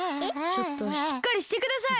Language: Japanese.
ちょっとしっかりしてください！